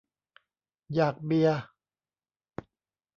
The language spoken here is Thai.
อยากเบียร์